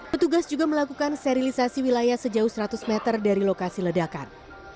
petugas juga melakukan sterilisasi wilayah sejauh seratus meter dari lokasi ledakan